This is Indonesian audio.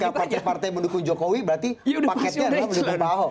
ketika partai partai mendukung jokowi berarti paketnya adalah pendukung paho